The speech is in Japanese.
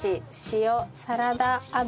塩サラダ油。